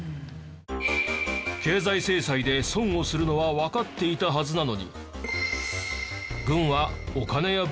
経済制裁で損をするのはわかっていたはずなのに。